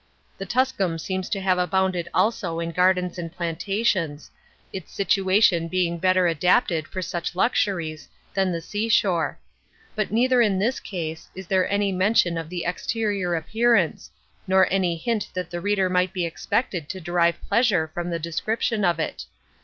The Tuscum seems to have abounded also in gardens and plantations, its situation being better adapted for such luxuries than the sea shore. But neither in this case is there any mention of the exterior appearance, nor any hint that the reader might be expected to derive pleasure from the description of it.